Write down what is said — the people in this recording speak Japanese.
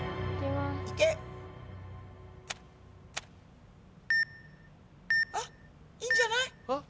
いけ！あっいいんじゃない？あっ。